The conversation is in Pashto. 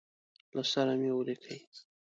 له سره مي ولیکی.